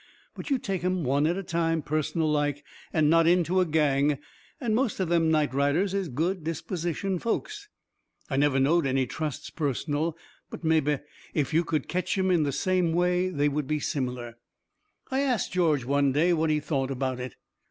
But, you take 'em one at a time, personal like, and not into a gang, and most of them night riders is good dispositioned folks. I never knowed any trusts personal, but mebby if you could ketch 'em the same way they would be similar. I asts George one day what he thought about it.